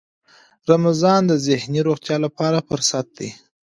رمضان د ذهني روغتیا لپاره فرصت دی.